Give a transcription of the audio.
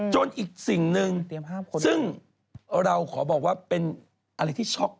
อีกสิ่งหนึ่งซึ่งเราขอบอกว่าเป็นอะไรที่ช็อก